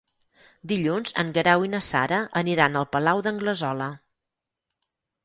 Dilluns en Guerau i na Sara aniran al Palau d'Anglesola.